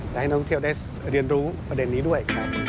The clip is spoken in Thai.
และให้นักท่องเที่ยวได้เรียนรู้ประเด็นนี้ด้วยครับ